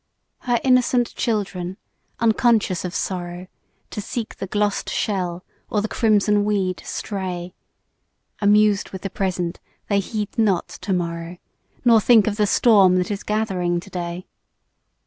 Her innocent children, unconscious of sorrow, To seek the gloss'd shell, or the crimson weed stray; Amused with the present, they heed not to morrow, Nor think of the storm that is gathering to day.